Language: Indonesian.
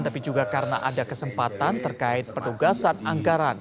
tapi juga karena ada kesempatan terkait penugasan anggaran